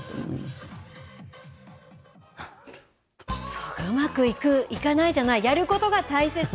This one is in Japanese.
そうか、うまくいくいかないじゃない、やることが大切。